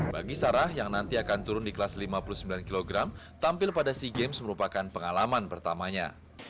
bagi sarah yang nanti akan turun di kelas lima puluh sembilan kg tampil pada sea games merupakan pengalaman pertamanya